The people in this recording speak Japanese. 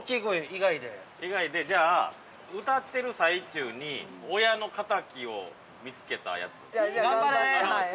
◆以外で、じゃあ歌ってる最中に親のかたきを見つけたやつ。